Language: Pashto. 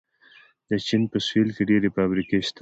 د چین په سویل کې ډېرې فابریکې شته.